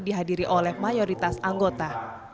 dihadiri oleh mayoritas anggota